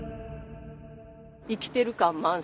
生きてる感満載。